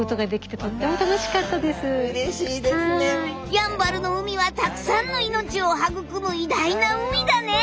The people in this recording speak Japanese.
やんばるの海はたくさんの命を育む偉大な海だね！